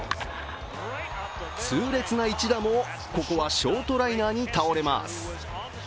痛烈な一打もここはショートライナーに倒れます。